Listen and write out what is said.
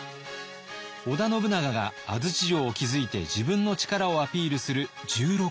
織田信長が安土城を築いて自分の力をアピールする１６年前。